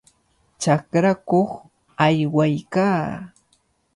Chakrakuq aywaykaa.